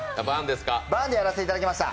バーンでやらせていただきました。